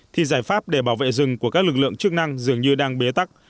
thì giải pháp để bảo vệ rừng của các lực lượng chức năng dường như đang bế tắc